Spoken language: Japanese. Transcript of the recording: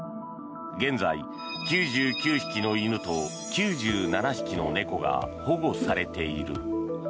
現在、９９匹の犬と９７匹の猫が保護されている。